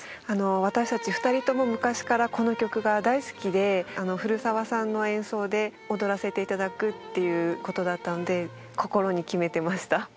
あの私たち２人とも昔からこの曲が大好きであの古澤さんの演奏で踊らせていただくっていうことだったので心に決めてました。